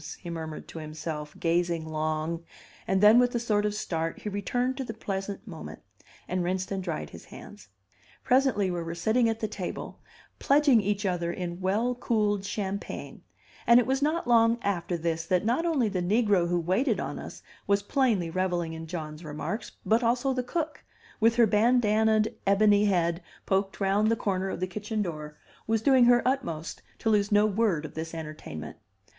he murmured to himself, gazing long; and then with a sort of start he returned to the present moment, and rinsed and dried his hands. Presently we were sitting at the table, pledging each other in well cooled champagne; and it was not long after this that not only the negro who waited on us was plainly reveling in John's remarks, but also the cook, with her bandannaed ebony head poked round the corner of the kitchen door, was doing her utmost to lose no word of this entertainment.